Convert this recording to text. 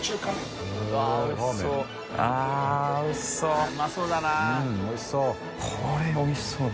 うんおいしそう。